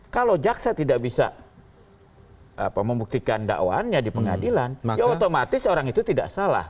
kalau jaksa tidak bisa membuktikan dakwaannya di pengadilan ya otomatis orang itu tidak salah